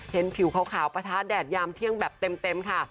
ผิวขาวปะทะแดดยามเที่ยงแบบเต็มค่ะ